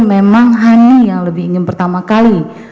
memang hanya yang lebih ingin pertama kali